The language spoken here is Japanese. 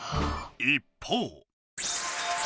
一方。